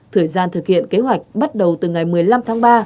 thời gian thực hiện kế hoạch bắt đầu từ ngày một mươi năm tháng ba